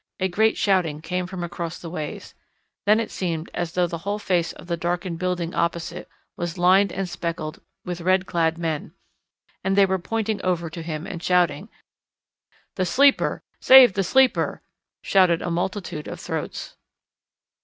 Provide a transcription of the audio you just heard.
A great shouting came from across the ways. Then it seemed as though the whole face of the darkened building opposite was lined and speckled with red clad men. And they were pointing over to him and shouting. "The Sleeper! Save the Sleeper!" shouted a multitude of throats.